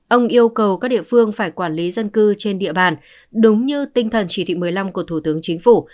ông yêu cầu các địa phương phải quản lý dân cư trên địa bàn đúng như tinh thần chỉ thị một mươi năm của thủ tướng chính phủ